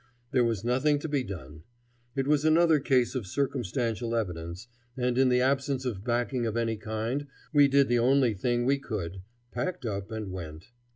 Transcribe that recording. There was nothing to be done. It was another case of circumstantial evidence, and in the absence of backing of any kind we did the only thing we could; packed up and went.